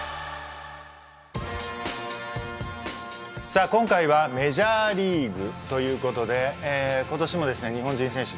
さあ今回はメジャーリーグということで今年もですね日本人選手